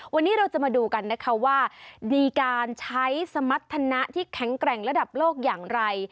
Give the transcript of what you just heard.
วันนี้เราจะมาดูกันนะคะว่ามีการใช้สมรรถนะที่แข็งแกร่งระดับโลกอย่างไร